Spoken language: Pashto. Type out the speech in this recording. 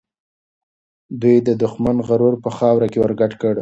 دوی د دښمن غرور په خاوره کې ورګډ کړ.